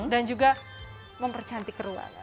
dan juga mempercantik ruangan